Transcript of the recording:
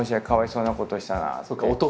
かわいそうなことしたな」